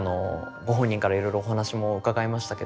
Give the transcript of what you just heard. ご本人からいろいろお話も伺えましたけど。